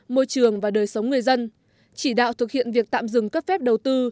môi trường và đời sống người dân chỉ đạo thực hiện việc tạm dừng cấp phép đầu tư